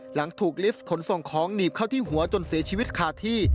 หลังถูกลิฟต์ขนส่งของหนีบเข้าที่หัวจนเสียชีวิตคาที่